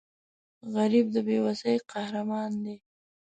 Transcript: غریب د بې وسۍ قهرمان دی